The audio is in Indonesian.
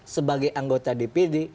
sebagai anggota dpd